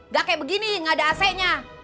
gak kayak begini gak ada asenya